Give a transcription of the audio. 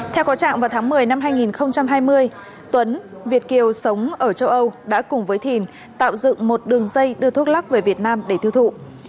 theo có trạng vào tháng một mươi năm hai nghìn hai mươi tuấn việt kiều sống ở châu âu đã cùng với thìn tạo dựng một đường dây đưa thuốc lắc về việt nam để tiêu thụ